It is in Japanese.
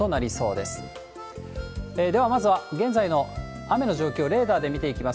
ではまずは、現在の雨の状況、レーダーで見ていきます。